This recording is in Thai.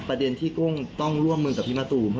พี่ก้มต้องร่วมมือกับพี่มาตูม